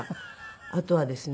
あとはですね